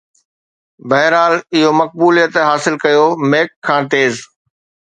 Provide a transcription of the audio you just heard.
بهرحال، اهو مقبوليت حاصل ڪيو Mac کان تيز